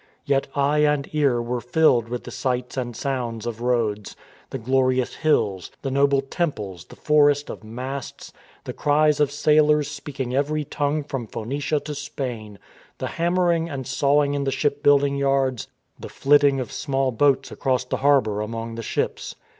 Yet eye and ear were filled with the sights and sounds of Rhodes; the glorious hills, the noble temples, the forest of masts, the cries of sailors speak ing every tongue from Phoenicia to Spain, the ham mering and sawing in the shipbuilding yards, the flit ting of small boats across the harbour among the ships.